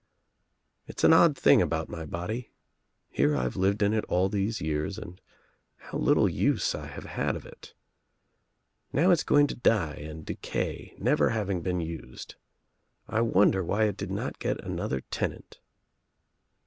"It's an odd thing about my body. Here I've lived in it all these years and how little use I have had of it. Now it's going to die and decay never having been used. I wonder why It did ^not get another tenant."